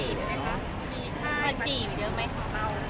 ยังไม่ได้มีค่ายจริงเดียวไหมคะ